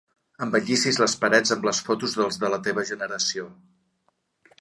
Embellissis les parets amb les fotos dels de la teva generació.